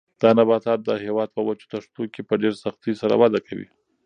دا نباتات د هېواد په وچو دښتو کې په ډېر سختۍ سره وده کوي.